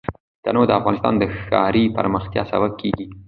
تنوع د افغانستان د ښاري پراختیا سبب کېږي.